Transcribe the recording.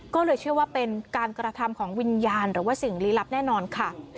ก็เลยเชื่อว่าเป็นการกระทำของวิญญาณหรือว่าสิ่งลี้ลับแน่นอนค่ะ